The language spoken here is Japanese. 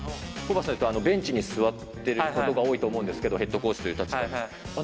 ホーバスさん、ベンチに座っていることが多いと思うんですけど、ヘッドコーチという立場で。